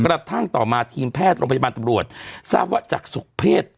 กระทั่งต่อมาทีมแพทย์โรงพยาบาลตำรวจทราบว่าจากสุขเพศ